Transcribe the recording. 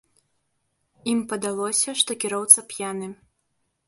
Ім падалося, што кіроўца п'яны.